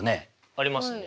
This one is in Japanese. ありますね。